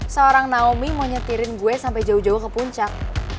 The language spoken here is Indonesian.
seorang naomi mau nyetirin gue sampai jauh jauh ke puncak